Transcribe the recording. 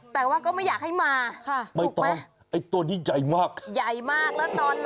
แต่ว่าก็ไม่อยากให้มาถูกไหมค่ะไม่ต้อง